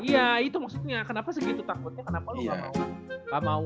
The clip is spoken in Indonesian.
ya itu maksudnya kenapa segitu takutnya kenapa lu gak mau